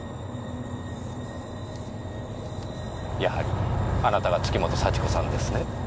やはりあなたが月本幸子さんですね？